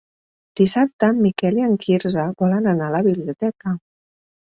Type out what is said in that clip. Dissabte en Miquel i en Quirze volen anar a la biblioteca.